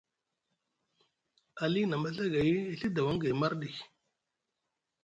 Ali na maɵagay e Ɵi dawaŋ gay marɗi.